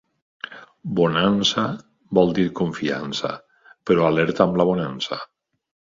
Bonança vol dir confiança, però alerta amb la bonança.